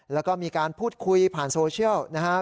แล้วก็มีการพูดคุยผ่านโซเชียลนะครับ